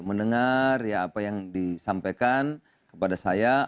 mendengar ya apa yang disampaikan kepada saya